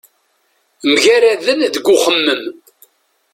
Mgaraden deg uxemmem.